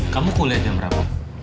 kamu kuliah jam berapa